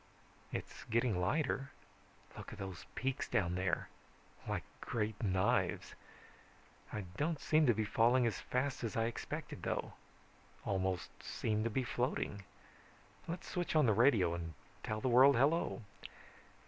"It's getting lighter. Look at those peaks down there! Like great knives. I don't seem to be falling as fast as I expected though. Almost seem to be floating. Let's switch on the radio and tell the world hello.